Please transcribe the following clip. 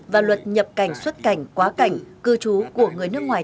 và luật nhập cảnh xuất cảnh quá cảnh cư trú của người nước ngoài